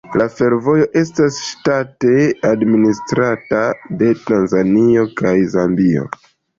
La fervojo estas ŝtate administrata de Tanzanio kaj Zambio.